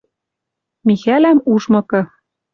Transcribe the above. Михӓлӓм ужмыкы